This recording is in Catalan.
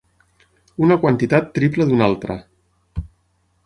Una quantitat tripla d'una altra.